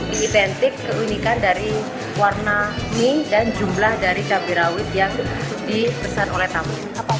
ini identik keunikan dari warna mie dan jumlah dari cabai rawit yang dipesan oleh tamu